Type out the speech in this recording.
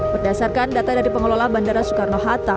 berdasarkan data dari pengelola bandara soekarno hatta